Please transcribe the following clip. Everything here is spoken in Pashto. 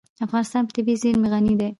افغانستان په طبیعي زیرمې غني دی.